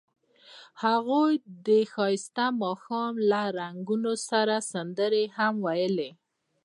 هغوی د ښایسته ماښام له رنګونو سره سندرې هم ویلې.